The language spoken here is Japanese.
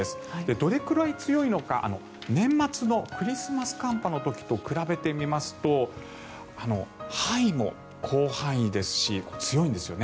どれくらい強いのか年末のクリスマス寒波の時と比べてみますと範囲も広範囲ですし強いんですよね。